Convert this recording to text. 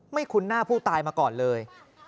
คุ้นหน้าผู้ตายมาก่อนเลย